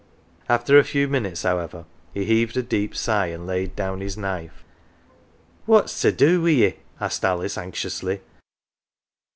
After a few minutes, however, he heaved a deep sigh, and laid down his knife. " What's to do wi 1 ye ?"" asked Alice anxiously.